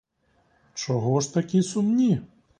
Чого ж такі сумні?